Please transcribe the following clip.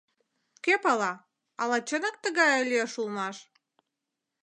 Кӧ пала, ала чынак тыгае лиеш улмаш?»